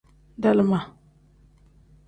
Dalima.